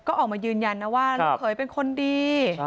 ก็ออกมายืนยันนะว่าลูกเขยเป็นคนดี